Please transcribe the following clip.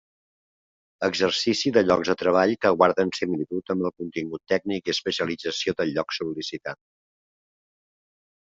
Exercici de llocs de treball que guarden similitud amb el contingut tècnic i especialització del lloc sol·licitat.